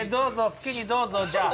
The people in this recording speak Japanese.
好きにどうぞじゃあ。